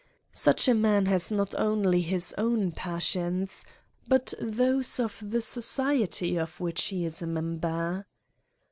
Such a man has not only his own passions, but those of the society of which he is a member.